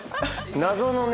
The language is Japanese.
謎のね